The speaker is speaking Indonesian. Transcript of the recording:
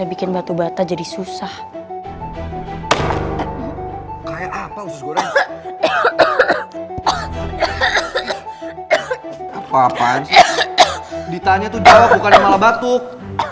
ditanya tuh jawab bukan yang malah batuk